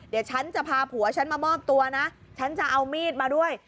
เดี๋ยวฉันจะพาผัวฉันมามอบตัวนะฉันจะเอามีดมาด้วย